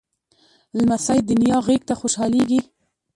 لمسی د نیا غېږ ته خوشحالېږي.